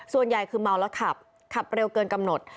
ส่วนใหญ่คือเมาแล้วขับขับเร็วเกินกำหนด